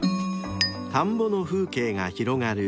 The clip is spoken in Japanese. ［田んぼの風景が広がる